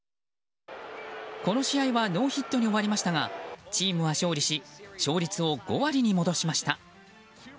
この試合はノーヒットに終わりましたがチームは勝利し勝率を５割に戻しました。